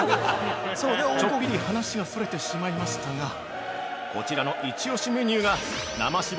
◆ちょっぴり話がそれてしまいましたがこちらのイチオシメニューが生し